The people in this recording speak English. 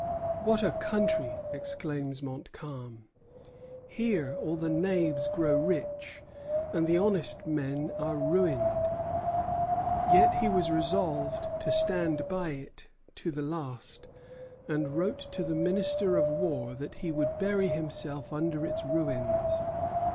"What a country!" exclaims Montcalm. "Here all the knaves grow rich, and the honest men are ruined." Yet he was resolved to stand by it to the last, and wrote to the Minister of War that he would bury himself under its ruins.